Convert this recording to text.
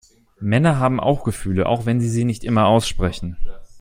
Männer haben auch Gefühle, auch wenn sie sie nicht immer aussprechen.